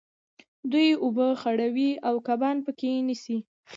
دوی اوبه خړوي او کبان په کې نیسي.